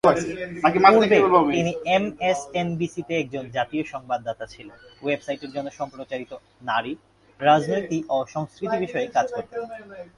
পূর্বে, তিনি এমএসএনবিসি-তে একজন জাতীয় সংবাদদাতা ছিলেন, ওয়েবসাইটের জন্য সম্প্রচারিত নারী, রাজনীতি ও সংস্কৃতি বিষয়ে কাজ করতেন।